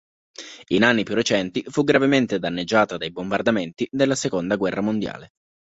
In anni più recenti fu gravemente danneggiata dai bombardamenti della Seconda Guerra Mondiale.